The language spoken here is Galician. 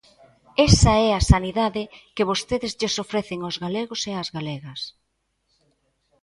Esa é a sanidade que vostedes lles ofrecen aos galegos e ás galegas.